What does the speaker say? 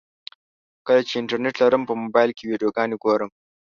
کله چې انټرنټ لرم په موبایل کې ویډیوګانې ګورم.